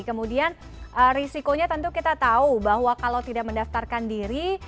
kemudian risikonya tentu kita tahu bahwa kalau tidak mendaftarkan diri